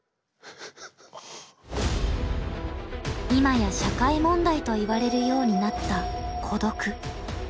今や社会問題といわれるようになった孤独。